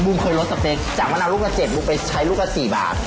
บุ้มเคยลดสเต็กจากมะนาวลูกกัน๗บาทบุ้มไปใช้ลูกกัน๔บาท